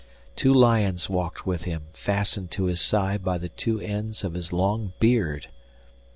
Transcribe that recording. Two lions walked with him, fastened to his side by the two ends of his long beard.